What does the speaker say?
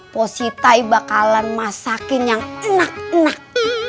pos siti bakalan masakin yang enak enak